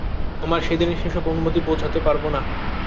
আমার সেদিনের সেসব অনুভূতি বোঝাতে পারব না।